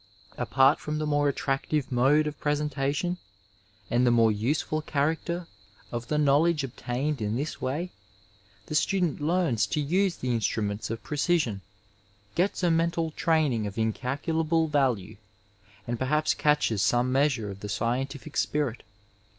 Apart from the more attractive mode of presentation and the more useful character of the knowledge obtained in this way, the student learns to use the instruments of precision, gets a mental training of incalculable value, and perhaps catches some measure of the scientific spirit.